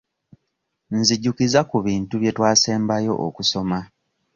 Nzijukiza ku bintu bye twasembayo okusoma.